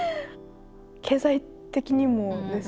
経済的にもですもんね。